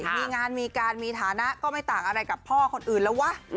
มีงานมีการมีฐานะก็ไม่ต่างอะไรกับพ่อคนอื่นแล้ววะ